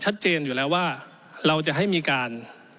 ชัดเจนอยู่แล้วว่าเราจะให้มีการ